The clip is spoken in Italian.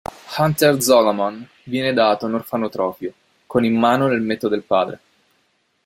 Hunter Zolomon viene dato a un orfanotrofio, con in mano l'elmetto del padre.